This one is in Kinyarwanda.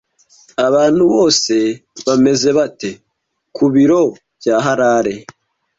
Abantu bose bameze bate ku biro bya Harera